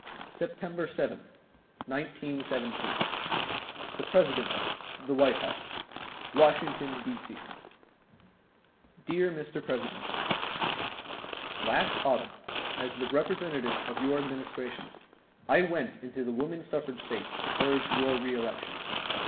September 7, 1917. The President, The White House, Washington, D. C. Dear Mr. President: Last autumn, as the representative of your Administration, I went into the woman suffrage states to urge your reelection.